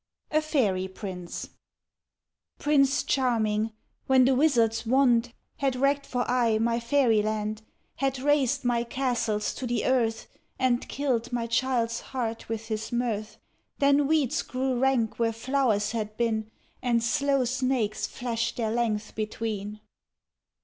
A FAIRY PRINCE Prince Charming, when the wizard's wand Had wrecked for aye my fairyland, Had rased my castles to the earth, And killed my child's heart with his mirth ; Then weeds grew rank where flowers had been. And slow snakes flashed their length between.